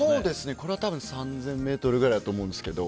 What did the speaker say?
これは多分３０００ｍくらいだと思うんですけど。